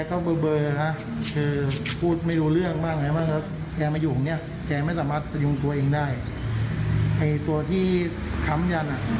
ลงตัวเองได้ไอ้ตัวที่ขำยันอะ